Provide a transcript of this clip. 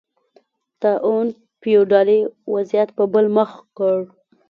طاعون فیوډالي وضعیت په بل مخ کړ.